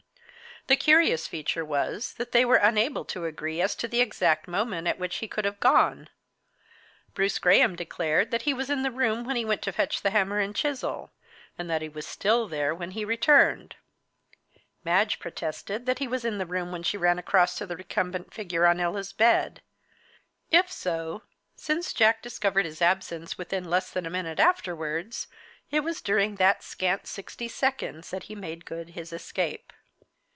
The curious feature was that they were unable to agree as to the exact moment at which he could have gone. Bruce Graham declared that he was in the room when he went to fetch the hammer and chisel, and that he was still there when he returned. Madge protested that he was in the room when she ran across to the recumbent figure on Ella's bed. If so, since Jack discovered his absence within less than a minute afterwards, it was during that scant sixty seconds that he made good his escape.